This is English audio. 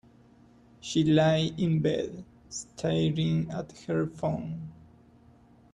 She lay in bed, staring at her phone.